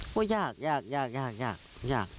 ก็ยากยากยากยาก